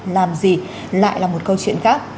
làm gì lại là một câu chuyện khác